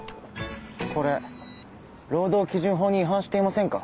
これ労働基準法に違反していませんか？